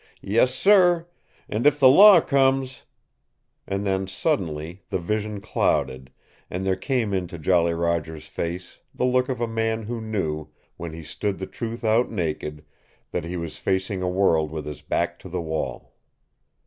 Yessir. And if the law comes " And then, suddenly, the vision clouded, and there came into Jolly Roger's face the look of a man who knew when he stood the truth out naked that he was facing a world with his back to the wall.